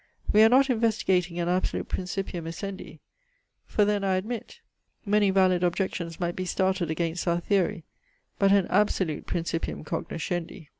We are not investigating an absolute principium essendi; for then, I admit, many valid objections might be started against our theory; but an absolute principium cognoscendi.